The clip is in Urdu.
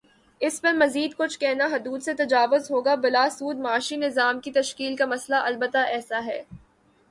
اس پر مزیدکچھ کہنا حدود سے تجاوز ہوگا بلاسود معاشی نظام کی تشکیل کا مسئلہ البتہ ایسا ہے۔